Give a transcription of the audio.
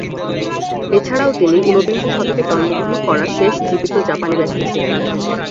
এছাড়াও তিনি ঊনবিংশ শতকে জন্মগ্রহণ করা শেষ জীবিত জাপানি ব্যক্তি ছিলেন।